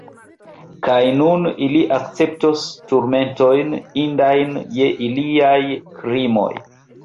Kaj nun ili akceptos turmentojn, indajn je iliaj krimoj.